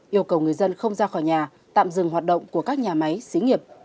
yêu cầu người dân không ra khỏi nhà tạm dừng hoạt động của các nhà máy xí nghiệp